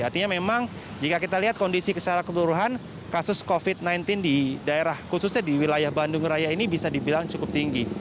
artinya memang jika kita lihat kondisi secara keseluruhan kasus covid sembilan belas di daerah khususnya di wilayah bandung raya ini bisa dibilang cukup tinggi